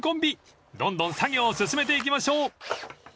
［どんどん作業を進めていきましょう］